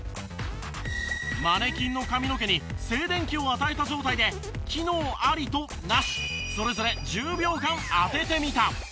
マネキンの髪の毛に静電気を与えた状態で機能ありとなしそれぞれ１０秒間当ててみた。